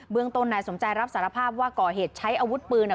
เมืองต้นนายสมใจรับสารภาพว่าก่อเหตุใช้อาวุธปืน